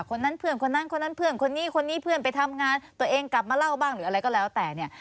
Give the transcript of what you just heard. คนนั้นเพื่อนคนนั้นคนนั้นเพื่อนคนนี้คนนี้เพื่อนไปทำงานตัวเองกลับมาเล่าบ้างหรืออะไรก็แล้วแต่เนี่ย